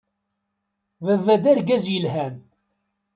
Baba d argaz yelhan.